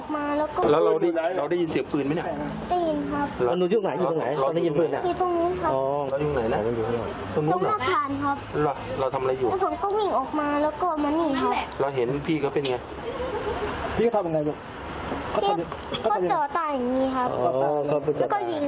ไม่ใช่มาพูดเลย